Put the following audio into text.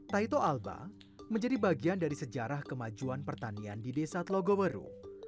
taito alba menjadi bagian dari sejarah kemajuan pertanian di desa telogoweru